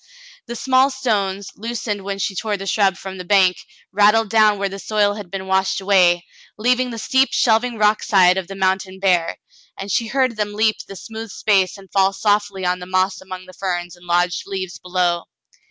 The small stones, loosened when she tore the shrub from the bank, rattled down where the soil had been washed away, leaving the steep shelving rock side of the mountain bare, and she heard them leap the smooth space and fall softly on the moss among the ferns and lodged leaves below.